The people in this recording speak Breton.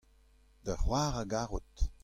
da c'hoar a garot.